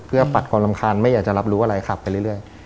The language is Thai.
เพื่อปัดความรำคาญไม่อยากจะรับรู้อะไรขับไปเรื่อย